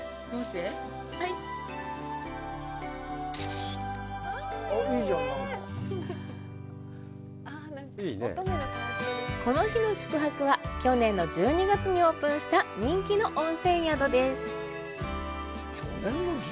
はいこの日の宿泊は去年の１２月にオープンした人気の温泉宿です